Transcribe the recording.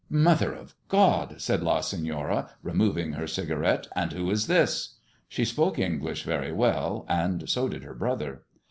Mother of God !" said La Senora, removing her cigar ette, "and who is this*?" She spoke English very well, and so did her brother.